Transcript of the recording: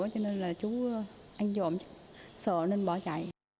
cho nên là chú anh trộm sợ nên bỏ chạy